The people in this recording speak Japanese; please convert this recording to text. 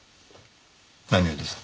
何をです？